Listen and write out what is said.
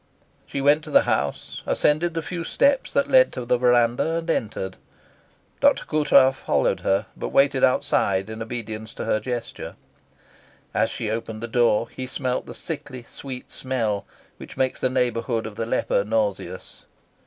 She went to the house, ascended the few steps that led to the verandah, and entered. Dr. Coutras followed her, but waited outside in obedience to her gesture. As she opened the door he smelt the sickly sweet smell which makes the neighbourhood of the leper nauseous.